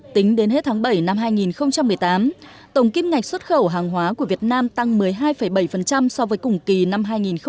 tính đến hết tháng bảy năm hai nghìn một mươi tám tổng kim ngạch xuất khẩu hàng hóa của việt nam tăng một mươi hai bảy so với cùng kỳ năm hai nghìn một mươi bảy